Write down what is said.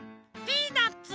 ピーナツ！